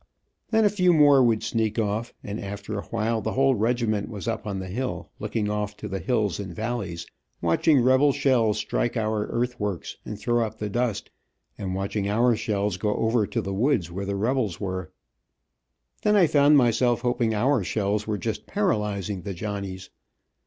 Then a few more would sneak off, and after awhile the whole regiment was up on the hill, looking off to the hills and valleys, watching rebel shells strike our earth works and throw up the dust, and watching our shells go over to the woods where the rebels were. Then I found myself hoping our shells were just paralyzing the Johnnies.